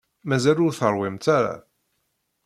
Mazal ur teṛwimt ara?